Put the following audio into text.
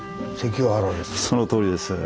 そのとおりです。